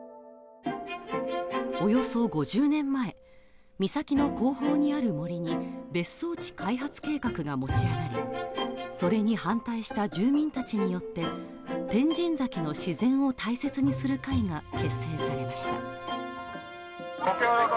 およそ５０年前、岬の後方にある森に別荘地開発計画が持ち上がり、それに反対した住民たちによって天神崎の自然を大切にする会が結成されました。